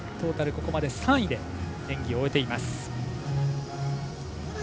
ここまで３位で演技を終えています。